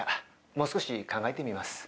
もう少し考えてみます